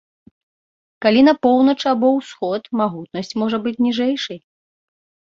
Калі на поўнач або ўсход, магутнасць можа быць ніжэйшай.